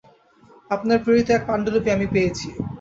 আপনার প্রেরিত এক পাণ্ডুলিপি আমি পেয়েছি।